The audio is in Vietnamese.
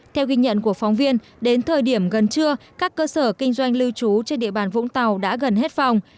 theo ghi nhận của phóng viên đến thời điểm gần trưa các cơ sở kinh doanh lưu trú trên địa bàn vũng tàu đã gần hết phòng